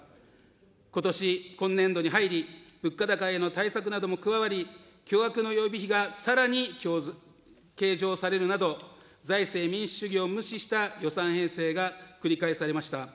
ことし、今年度に入り、物価高への対策なども加わり、巨額の予備費がさらに計上されるなど、財政民主主義を無視した予算編成が繰り返されました。